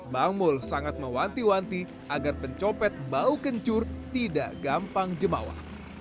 bang mul sangat mewanti wanti agar pencopet bau kencur tidak gampang jemawa